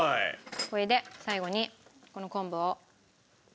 これで最後にこの昆布を。